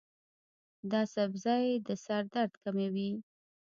دا سبزی د سر درد کموي.